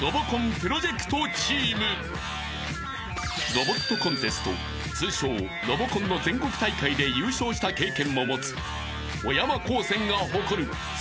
［ロボットコンテスト通称ロボコンの全国大会で優勝した経験も持つ小山高専が誇る精鋭部隊］